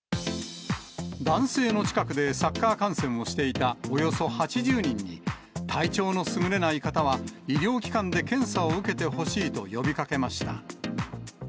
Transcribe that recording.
男性の近くでサッカー観戦をしていたおよそ８０人に体調のすぐれない方は医療機関で検査を受けてほしいと呼びかけました。